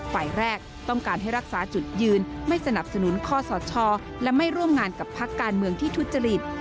ฝ่ายแรกต้องการให้รักษาจุดยืนไม่สนับสนุนข้อสชและไม่ร่วมงานกับพักการเมืองที่ทุจริต